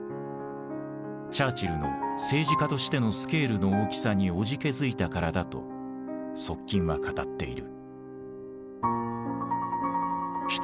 チャーチルの政治家としてのスケールの大きさにおじけづいたからだと側近は語っている。